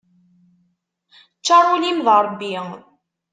Ččar ul-im d Rebbi.